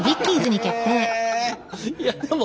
いやでも。